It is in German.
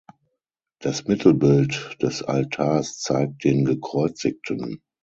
Das Mittelbild des Altars zeigt den Gekreuzigten.